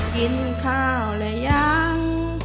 กินข้าวแล้วยัง